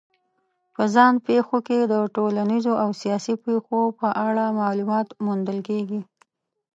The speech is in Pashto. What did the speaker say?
په ځان پېښو کې د ټولنیزو او سیاسي پېښو په اړه معلومات موندل کېږي.